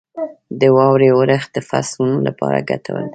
• د واورې اورښت د فصلونو لپاره ګټور دی.